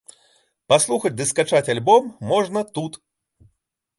Паслухаць ды скачаць альбом можна тут!